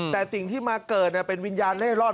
แต่สิ่งที่มาเกิดเป็นวิญญาณเล่ร่อน